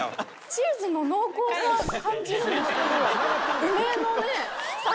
チーズの濃厚さ感じるんですけど梅のね。